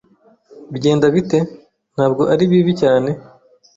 "Bigenda bite?" "Ntabwo ari bibi cyane."